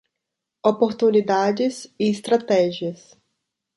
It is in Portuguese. Oportunidades e estratégias